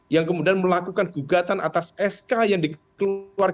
yang kemudian melakukan gugatan atas sk yang dikeluarkan oleh menteri hukum dan ham